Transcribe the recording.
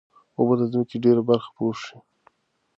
اوبه د ځمکې ډېره برخه پوښي.